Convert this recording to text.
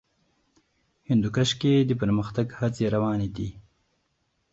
هندوکش کې د پرمختګ هڅې روانې دي.